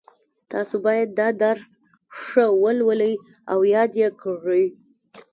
تاسو باید دا درس ښه ولولئ او یاد یې کړئ